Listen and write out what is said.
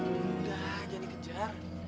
udah aja dikejar